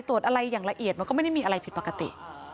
ตรวจอะไรอย่างละเอียดมันก็ไม่ได้มีอะไรผิดปกติ